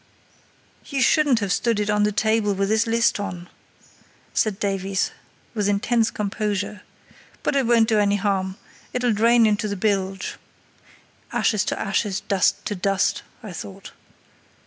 "You shouldn't have stood it on the table with this list on," said Davies, with intense composure, "but it won't do any harm; it'll drain into the bilge" (ashes to ashes, dust to dust, I thought).